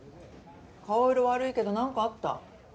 顔色悪いけど何かあった？